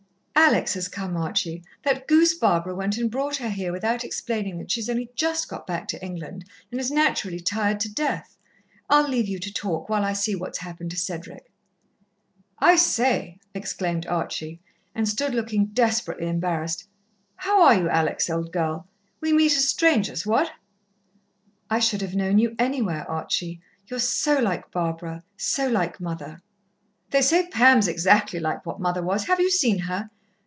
"Alex has come, Archie. That goose Barbara went and brought her here without explaining that she's only just got back to England, and is naturally tired to death. I'll leave you to talk, while I see what's happened to Cedric." "I say!" exclaimed Archie, and stood looking desperately embarrassed. "How are you, Alex, old girl? We meet as strangers, what?" "I should have known you anywhere, Archie. You're so like Barbara so like mother." "They say Pam's exactly like what mother was. Have you seen her?"